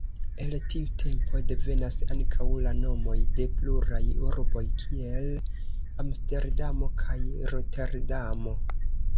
El tiu tempo devenas ankaŭ la nomoj de pluraj urboj, kiel Amsterdamo kaj Roterdamo.